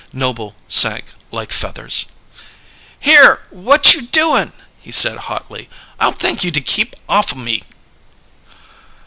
Noble sank like feathers. "Here! What you doin'?" he said hotly. "I'll thank you to keep off o' me!"